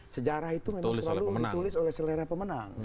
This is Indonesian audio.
sejarah itu memang selalu ditulis oleh selera pemenang